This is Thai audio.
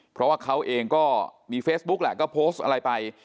เพราะว่าเขาเองก็มีเฟซบุ๊กแหละก็โพสต์อะไรไป